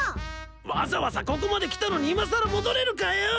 わざわざここまで来たのにいまさら戻れるかよ！